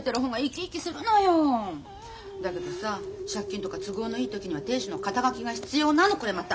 だけどさ借金とか都合のいい時には亭主の肩書が必要なのこれまた。